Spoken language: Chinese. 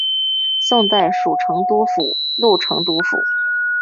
宋代属成都府路成都府。